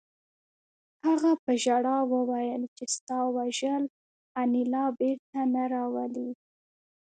هغه په ژړا وویل چې ستا وژل انیلا بېرته نه راولي